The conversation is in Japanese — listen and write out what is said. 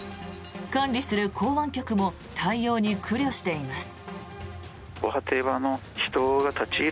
管理する港湾局も対応に苦慮しています。